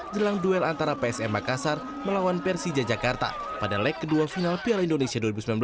jelang duel antara psm makassar melawan persija jakarta pada leg kedua final piala indonesia dua ribu sembilan belas